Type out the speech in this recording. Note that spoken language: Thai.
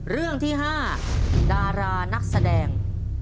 เรื่องที่๕ดารานักแสดง